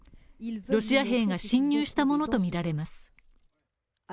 ロシア兵が侵入したものとみられます。